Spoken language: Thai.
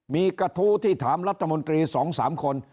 มีกระทู้ที่ถามรัฐมนตรี๒๓คน